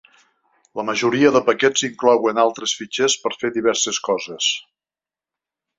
La majoria de paquets inclouen altres fitxers per fer diverses coses.